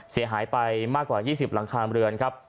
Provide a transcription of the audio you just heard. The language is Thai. เสียหายไปมากกว่า๒๐หลังคาเรือนครับ